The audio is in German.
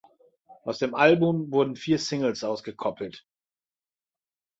Aus dem Album wurden vier Singles ausgekoppelt.